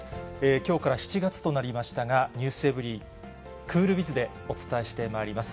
きょうから７月となりましたが、ｎｅｗｓｅｖｅｒｙ．、クールビズでお伝えしてまいります。